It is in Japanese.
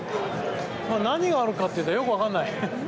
何があるかというとよく分からない。